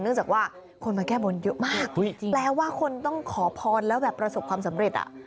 จากว่าคนมาแก้บนเยอะมากแปลว่าคนต้องขอพรแล้วแบบประสบความสำเร็จ